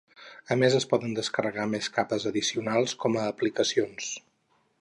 A més es poden descarregar més capes addicionals com a aplicacions.